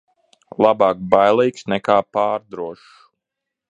Labāk bailīgs nekā pārdrošs.